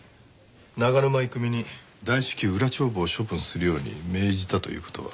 長沼郁美に大至急裏帳簿を処分するように命じたという事は。